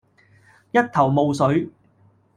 一頭霧水